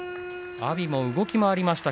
阿炎も動き回りました。